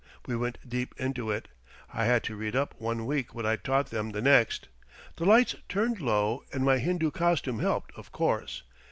We went deep into it. I had to read up one week what I taught them the next. The lights turned low and my Hindoo costume helped, of course.